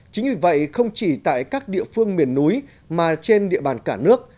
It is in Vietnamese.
chính vì vậy không chỉ tại các địa phương miền núi mà trên địa bàn cả nước